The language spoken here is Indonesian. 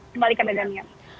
kembalikan agar ingat